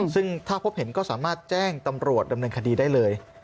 ซึ่งถ้าพบเห็นก็สามารถแจ้งตำรวจดำเนินคดีได้เลย